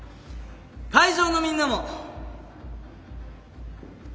会場のみんなも。